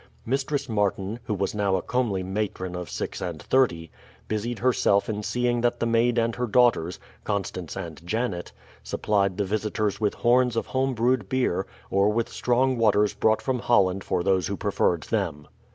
Mistress Martin, who was now a comely matron of six and thirty, busied herself in seeing that the maid and her daughters, Constance and Janet, supplied the visitors with horns of home brewed beer, or with strong waters brought from Holland for those who preferred them.